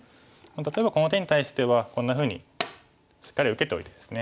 例えばこの手に対してはこんなふうにしっかり受けておいてですね